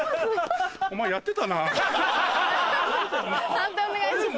判定お願いします。